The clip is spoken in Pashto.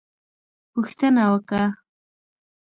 _پوښتنه وکه!